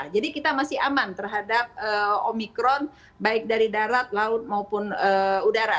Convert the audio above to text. jadi kita masih aman terhadap omikron baik dari darat laut maupun udara